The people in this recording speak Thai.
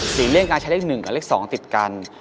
หลีกเรียกการใช้เลข๑กับเลข๒ติดกัน